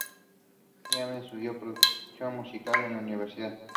Higham estudió producción musical en la universidad.